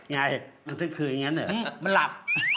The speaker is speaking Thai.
อย่างไรมันเท็จคืออย่างนั้นเหรอมันหลับ